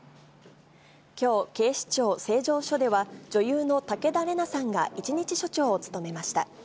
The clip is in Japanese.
きょう、警視庁成城署では、女優の武田玲奈さんが一日署長を務めました。